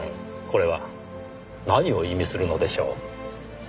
これは何を意味するのでしょう。